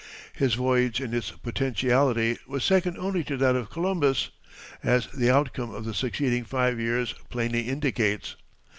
His voyage in its potentiality was second only to that of Columbus, as the outcome of the succeeding five years plainly indicates.